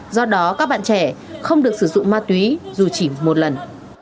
do đó các bạn trẻ không được sử dụng ma túy dù chỉ một lần